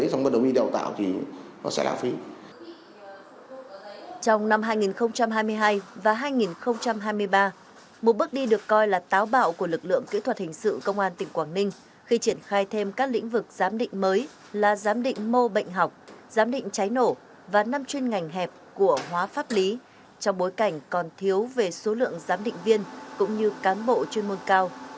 trong năm hai nghìn hai mươi hai và hai nghìn hai mươi ba một bước đi được coi là táo bạo của lực lượng kỹ thuật hình sự công an tỉnh quảng ninh khi triển khai thêm các lĩnh vực giám định mới là giám định mô bệnh học giám định cháy nổ và năm chuyên ngành hẹp của hóa pháp lý trong bối cảnh còn thiếu về số lượng giám định viên cũng như cán bộ chuyên môn cao